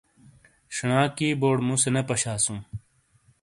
شینا کی بورڑ مُوسے نے پشاسوں۔